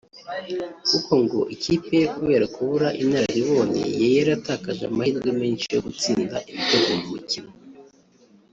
kuko ngo ikipe ye kubera kubura inararibonye yari yatakaje amahirwe menshi yo gutsinda ibitego mu mukino